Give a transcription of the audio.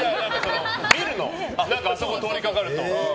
見るの、あそこ通りかかると。